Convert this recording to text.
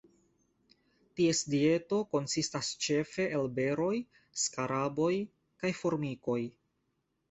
Ties dieto konsistas ĉefe el beroj, skaraboj kaj formikoj.